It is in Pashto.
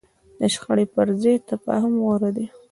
د شخړې پر ځای تفاهم غوره دی.